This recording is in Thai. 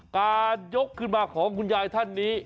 การยกขึ้นมาของคุณยายท่านนี้